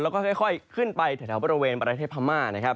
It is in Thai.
แล้วก็ค่อยขึ้นไปแถวบริเวณประเทศพม่านะครับ